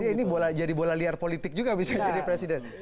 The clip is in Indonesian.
jadi ini jadi bola liar politik juga bisa jadi presiden